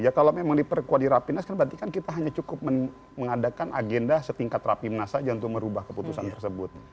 ya kalau memang diperkuat di rapimnas kan berarti kan kita hanya cukup mengadakan agenda setingkat rapimnas saja untuk merubah keputusan tersebut